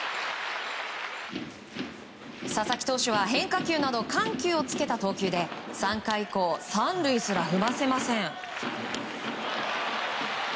佐々木投手は変化球など緩急をつけた投球で３回以降３塁すら踏ませません。